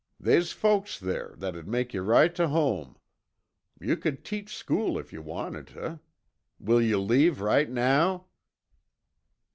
They's folks there that'd make yuh right tuh home. You c'd teach school if yuh wanted tuh. Will you leave right now?"